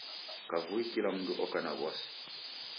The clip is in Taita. Kavui kila mndu oka na w'asi.